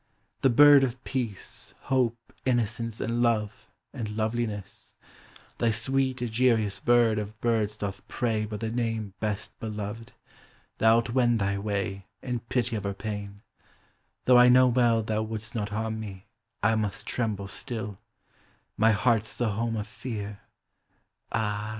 â the bird of Peace, Hope, Innocence, and Love, and Loveliness, Thy sweet Egeria's bird of birds doth pray By the name best beloved, thou 'It wend thy way, In pity of her pain â Though I know well Thou would' st not harm me, I must tremble still : My heart's the home of fear â Ah!